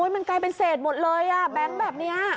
มันกลายเป็นเศษหมดเลยแบงค์แบบนี้